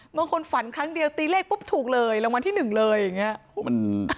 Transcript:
บางคนฝันครั้งเดียวตีเลขปุ๊บถูกเลยรางวัลที่หนึ่งเลยอย่างนี้